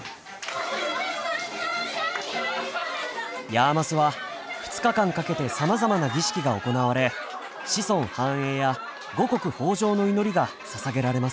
ヤーマスは２日間かけてさまざまな儀式が行われ子孫繁栄や五穀豊穣の祈りがささげられます。